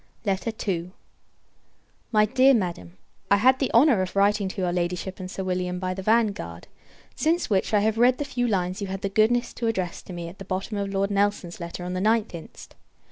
II. My Dear Madam, I had the honour of writing to your Ladyship and Sir William, by the Vanguard; since which, I have read the few lines you had the goodness to address to me at the bottom of Lord Nelson's letter of the 9th inst.